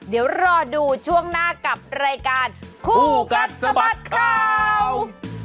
เดี๋ยวรอดูช่วงหน้ากับรายการคู่กัดสะบัดข่าว